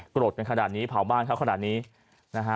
โกรธกันขนาดนี้เผาบ้านเขาขนาดนี้นะฮะ